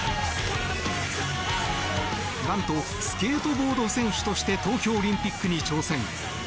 なんとスケートボード選手として東京オリンピックに挑戦。